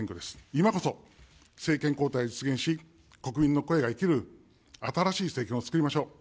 今こそ政権交代を実現し、国民の声が生きる新しい政権を作りましょう。